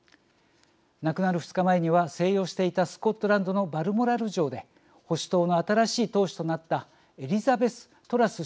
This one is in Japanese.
亡くなる２日前には静養していたスコットランドのバルモラル城で保守党の新しい党首となったエリザベス・トラス